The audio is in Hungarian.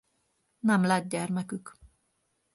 Nem lett gyermekük.